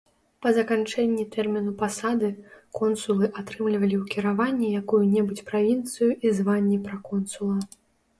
Па заканчэнні тэрміну пасады, консулы атрымлівалі ў кіраванне якую-небудзь правінцыю і званне праконсула.